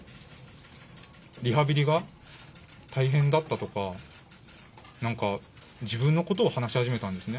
リハビリが大変だったとか、なんか自分のことを話し始めたんですね。